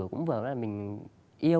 cũng vừa là mình yêu